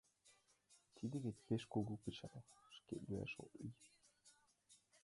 Тиде вет пеш кугу пычал, шкет лӱяшат ок лий.